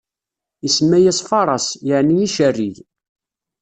Isemma-yas Faraṣ, yeɛni icerrig.